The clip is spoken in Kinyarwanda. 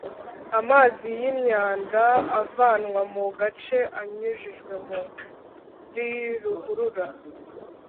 amazi yimyanda avanwa mu gace anyujijwe muri ruhurura